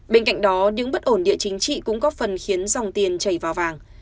bên cạnh đó những bất ổn địa chính trị cũng góp phần khiến dòng tiền chảy vào vàng